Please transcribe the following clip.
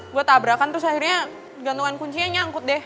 buat tabrakan terus akhirnya gantungan kuncinya nyangkut deh